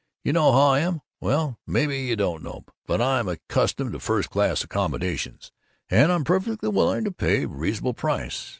You know how I am well, maybe you don't know, but I'm accustomed to first class accommodations, and I'm perfectly willing to pay a reasonable price.